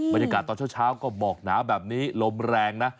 บรรยากาศตอนเช้าก็หมอกหนาแบบนี้ลมแรงนะ